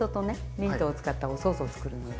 ミントを使ったおソースをつくるので。